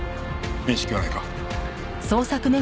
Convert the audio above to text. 面識はないか？